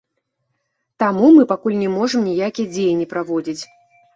Таму мы пакуль не можам ніякія дзеянні праводзіць.